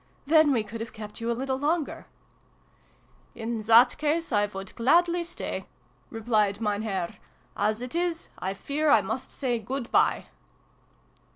" Then we could have kept you a little longer !" "In that case I would gladly stay," replied Mein Herr. "As it is 1 fear I must say good bye